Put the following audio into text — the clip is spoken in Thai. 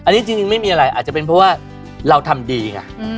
อันนี้จริงไม่มีอะไรอาจจะเป็นเพราะว่าเราทำดีไง